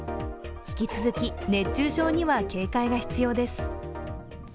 引き続き、熱中症には警戒が必要です。